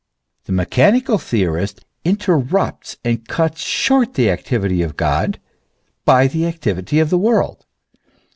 The mechanical theorist interrupts and cuts short the activity of God by the activity of the world.